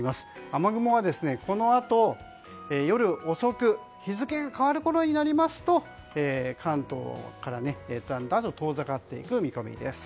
雨雲は、このあと夜遅く日付が変わるころになりますと関東から、だんだんと遠ざかっていく見込みです。